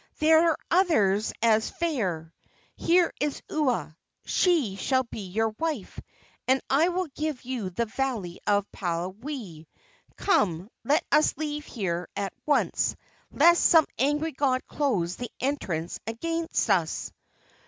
There are others as fair. Here is Ua; she shall be your wife, and I will give you the valley of Palawai. Come, let us leave here at once, lest some angry god close the entrance against us!"